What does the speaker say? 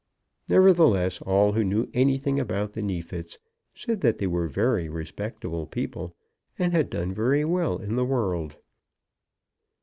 Nevertheless all who knew anything about the Neefits said that they were very respectable people, and had done very well in the world.